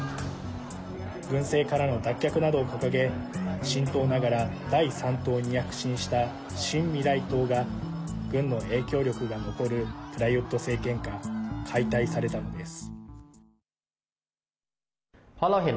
軍政からの脱却などを掲げ新党ながら第３党に躍進した新未来党が軍の影響力が残るプラユット政権下解体されたのです。